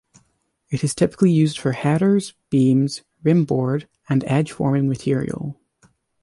It is typically used for headers, beams, rimboard, and edge-forming material.